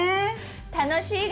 楽しいが。